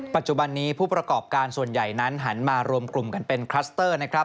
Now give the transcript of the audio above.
ปัจจุบันนี้ผู้ประกอบการส่วนใหญ่นั้นหันมารวมกลุ่มกันเป็นคลัสเตอร์